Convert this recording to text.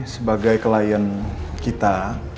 sebagai klien kita